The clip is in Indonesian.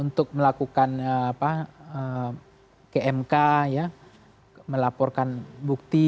untuk melakukan kmk melaporkan bukti